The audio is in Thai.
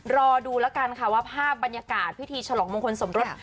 รอดูแล้วกันค่ะว่าภาพบรรยากาศพิธีฉลองมงคลสมรส